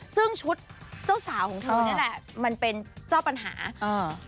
ซึ่งชุดเจ้าสาวของเธอนี่แหละมันเป็นเจ้าปัญหาอ่า